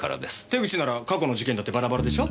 手口なら過去の事件だってバラバラでしょ？